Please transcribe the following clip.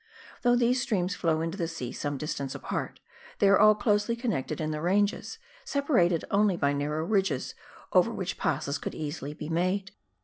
Though these streams flow into the sea some distance apart, they are all closely connected in the ranges, separated only by narrow ridges, over which passes could easily be made.